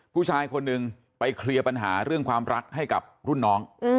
ผู้ชายคนหนึ่งไปเคลียร์ปัญหาเรื่องความรักให้กับรุ่นน้อง